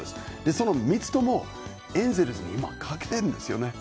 その３つとも、エンゼルスは今欠けているんですよね。